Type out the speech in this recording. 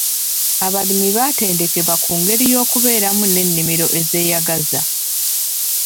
Abalimi batendekebwa ku ngeri y'okubeeramu n'ennimiro ezeyagaza.